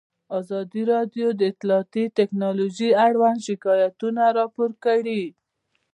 ازادي راډیو د اطلاعاتی تکنالوژي اړوند شکایتونه راپور کړي.